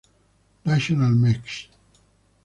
Rational Mech.